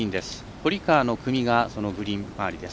堀川の組がそのグリーン周りです。